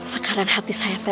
sekarang hati saya terangkan